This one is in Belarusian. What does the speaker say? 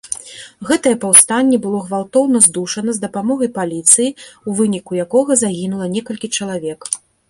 Гэтае паўстанне было гвалтоўна здушана з дапамогай паліцыі, у выніку якога загінула некалькі чалавек.